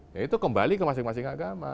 ya itu kembali ke masing masing agama